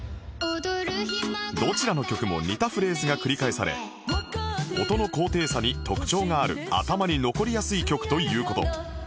どちらの曲も似たフレーズが繰り返され音の高低差に特徴がある頭に残りやすい曲という事